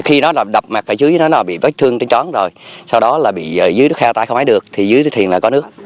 khi nó đập mặt ở dưới nó bị vết thương trên trón rồi sau đó là dưới nước heo tay không ai được thì dưới thuyền là có nước